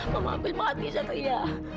kampung hai maria